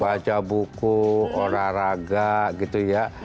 baca buku olahraga gitu ya